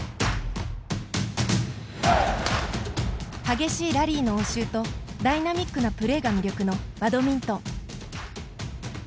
激しいラリーの応酬とダイナミックなプレーが魅力のバドミントン。